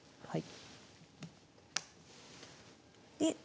はい。